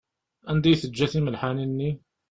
Anda i teǧǧa timelḥanin-nni?